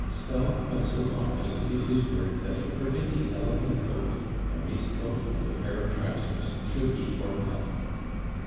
Staub went so far as to give his word that a perfectly elegant coat, a waistcoat, and a pair of trousers should be forthcoming.